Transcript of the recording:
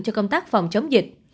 cho công tác phòng chống dịch